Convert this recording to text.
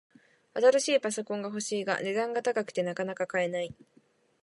新しいパソコンが欲しいが、値段が高くてなかなか買えない